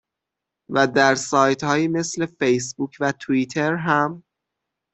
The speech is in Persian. و در سایت هایی مثل فیس بوک و تویتتر هم